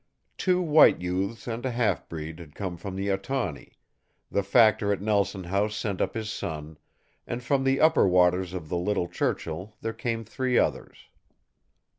Two white youths and a half breed had come from the Etawney; the factor at Nelson House sent up his son, and from the upper waters of the Little Churchill there came three others.